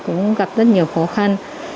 cũng gặp rất nhiều khó khăn